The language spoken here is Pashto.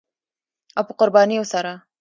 او په قربانیو سره